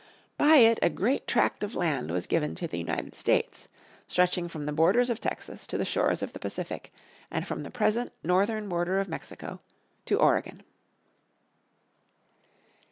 By it a great tract of land was given to the United States, stretching from the borders of Texas to the shores of the Pacific and from the present northern border of Mexico to Oregon.